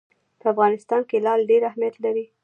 په افغانستان کې لعل ډېر اهمیت لري.